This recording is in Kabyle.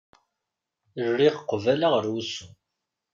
Rriɣ qbala ɣer wusu.